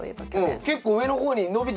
結構上の方に伸びてたよ。